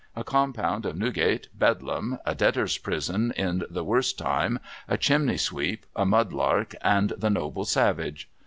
'A compound of Newgate, Bedlam, a Debtors' Prison in the worst time, a chimney sweep, a mudlark, and the Noble Savage